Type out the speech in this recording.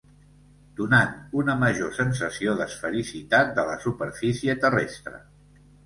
Donant una major sensació d'esfericitat de la superfície terrestre.